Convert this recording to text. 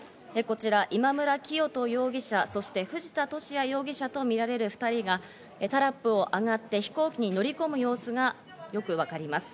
今村磨人容疑者、そして藤田聖也容疑者とみられる２人が、タラップを上がって飛行機に乗り込む様子がよくわかります。